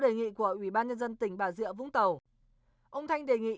đề nghị của ubnd tỉnh bà diệ vũng tàu ông thanh đề nghị